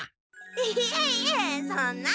いえいえそんな！